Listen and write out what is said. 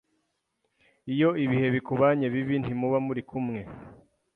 iyo ibihe bikubanye bibi ntimuba muri kumwe